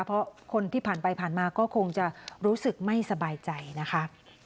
เพราะคนที่ผ่านไปผ่านมาก็คงจะรู้สึกไม่สบายใจนะคะ